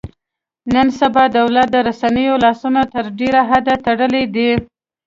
نن سبا دولت د رسنیو لاسونه تر ډېره حده تړلي دي.